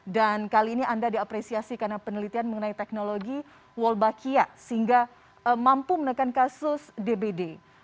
dan kali ini anda diapresiasi karena penelitian mengenai teknologi wolbachia sehingga mampu menekan kasus dbd